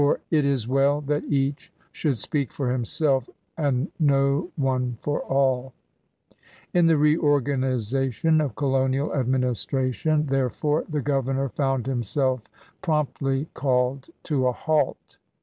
it is well that each should speak for himself, and no one for all/' In the reorganization of colonial administration, there fore, the governor found himself promptly called to a halt.